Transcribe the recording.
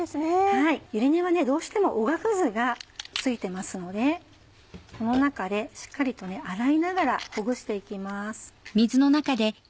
ゆり根はどうしてもおがくずが付いてますのでこの中でしっかりと洗いながらほぐして行きます。